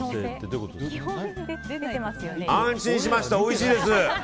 安心しました、おいしいです。